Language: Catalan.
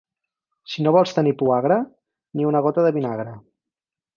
Si no vols tenir poagre, ni una gota de vinagre.